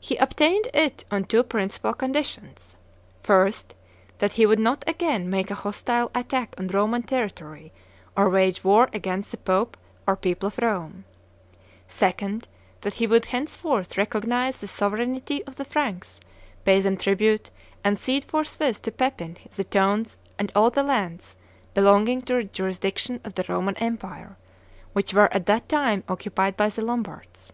He obtained it on two principal conditions: 1st, that he would not again make a hostile attack on Roman territory or wage war against the Pope or people of Rome; 2d, that he would henceforth recognize the sovereignty of the Franks, pay them tribute, and cede forthwith to Pepin the towns and all the lands, belonging to the jurisdiction of the Roman empire, which were at that time occupied by the Lombards.